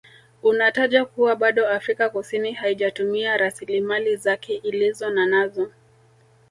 Unataja kuwa bado Afrika Kusini haijatumia rasilimali zake Ilizonanazo